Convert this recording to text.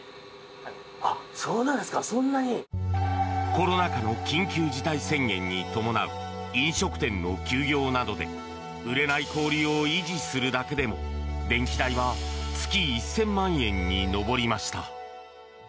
コロナ禍の緊急事態宣言に伴う飲食店の休業などで売れない氷を維持するだけでも電気代は月１０００万円に上りました。